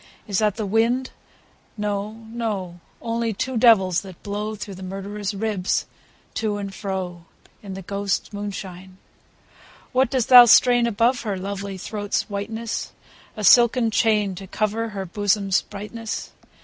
Is that the wind ? No, no ; Only two devils, that blow Through the murderer's ribs to and fro. In the ghosts' moi^ishine. THE GHOSTS* MOONSHINE, 39 III. What dost thou strain above her Lovely throat's whiteness ? A silken chain, to cover Her bosom's brightness